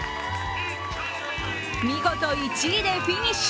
見事、１位でフィニッシュ。